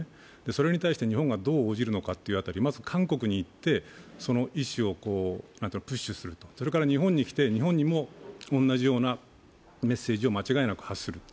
それに対して日本がどう応じるのかという辺り、まず韓国に行ってその意思をプッシュすると、それから日本に来て日本にも同じようなメッセージを間違いなく発する。